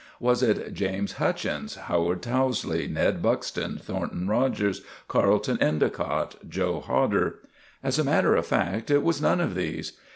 Was it James Hutchins, Howard Towsley, Ned Buxton, Thornton Rogers, Carlton Endicott, Joe Hodder? As a matter of fact it was none of these.